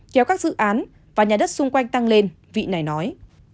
kéo các dự án và nhà đất xung quanh tăng lên vị này nói